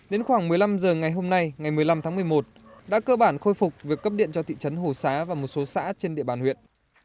đến khoảng một mươi năm h ngày hôm nay ngày một mươi năm tháng một mươi một đã cơ bản khôi phục việc cấp điện cho thị trấn hồ xá và một số xã trên địa bàn huyện